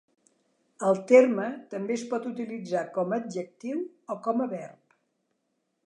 El terme també es pot utilitzar com a adjectiu o com a verb.